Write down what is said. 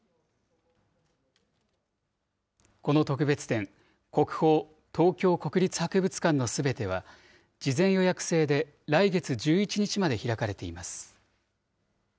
この特別展、国宝東京国立博物館のすべては、事前予約制で来月１１日まで開かれています。